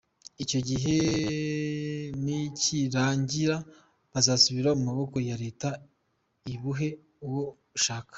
Icyo gihe nikirangira buzasubira mu maboko ya leta ibuhe uwo ishaka.